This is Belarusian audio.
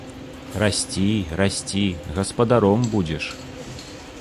Расці, расці, гаспадаром будзеш.